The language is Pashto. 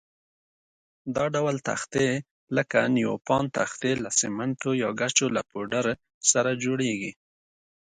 دا ډول تختې لکه نیوپان تختې له سمنټو یا ګچو له پوډر سره جوړېږي.